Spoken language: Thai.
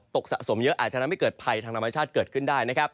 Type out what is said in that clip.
สะสมเยอะอาจจะทำให้เกิดภัยทางธรรมชาติเกิดขึ้นได้นะครับ